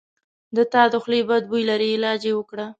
د تا د خولې بد بوي لري علاج یی وکړه